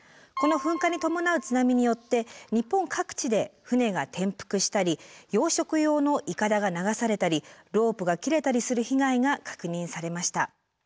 この噴火に伴う津波によって日本各地で船が転覆したり養殖用のいかだが流されたりロープが切れたりする被害が確認されました。